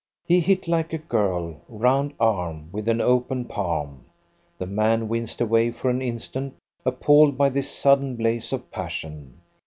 He hit like a girl, round arm, with an open palm. The man winced away for an instant, appalled by this sudden blaze of passion.